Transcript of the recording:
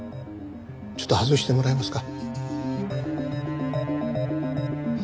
ちょっと外してもらえますか？